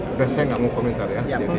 udah saya nggak mau komentar ya